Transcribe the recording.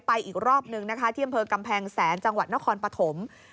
อีกรอบนึงนะคะที่อำเภอกำแพงแสนจังหวัดนครปฐม